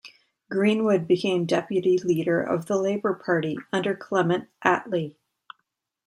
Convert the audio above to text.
Greenwood became Deputy Leader of the Labour Party under Clement Attlee.